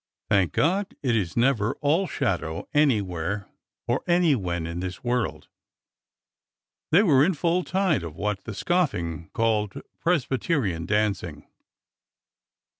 Thank God, it is never all shadow anywhere or anywhen in this world ! They were in full tide of what the scoffing called " Presbyterian dancing."